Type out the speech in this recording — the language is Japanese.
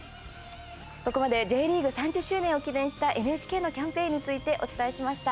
ここまでＪリーグ３０周年を記念したＮＨＫのキャンペーンについてお伝えしました。